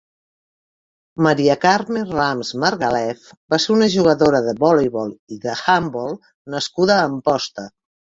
Maria Carme Rams Margalef va ser una jugadora de voleibol i d'handbol nascuda a Amposta.